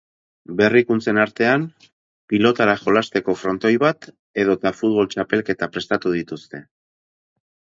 Berrikuntzen artean, pilotara jolasteko frontoi bat edota futbol txapelketa prestatu dituzte.